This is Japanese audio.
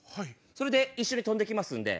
それで一緒に飛んで行きます。